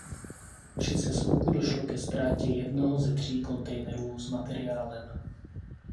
Při seskoku došlo ke ztrátě jednoho ze tří kontejnerů s materiálem.